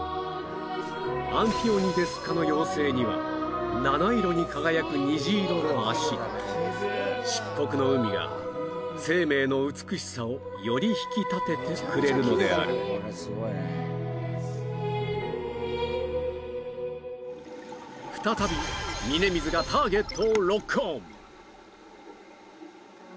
「アンフィオニデス科」の幼生には七色に輝く虹色の脚漆黒の海が生命の美しさをより引き立ててくれるのである再び峯水がターゲットをロックオン！